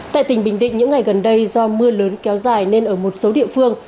tại tỉnh bình định những ngày gần đây do mưa lớn kéo dài nên ở một số địa phương